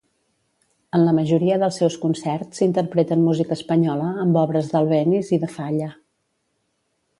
En la majoria dels seus concerts interpreten música espanyola amb obres d'Albéniz i de Falla.